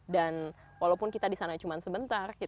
dan walaupun kita disana cuma sebentar